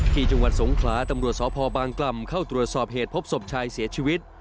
ที่จังหวัดสงขลาตำรวจสพบางกล่ำเข้าตรวจสอบเหตุพบศพชายเสียชีวิต